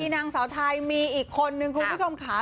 นางสาวไทยมีอีกคนนึงคุณผู้ชมค่ะ